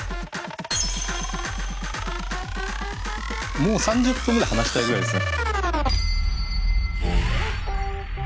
もう３０分ぐらい話したいぐらいですね。